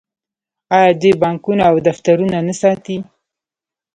آیا دوی بانکونه او دفترونه نه ساتي؟